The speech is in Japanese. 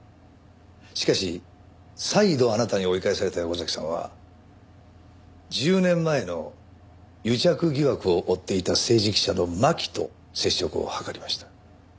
しかし再度あなたに追い返された横崎さんは１０年前の癒着疑惑を追っていた政治記者の巻と接触を図りました。